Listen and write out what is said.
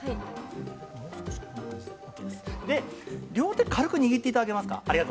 両手、軽く握っていただけますか。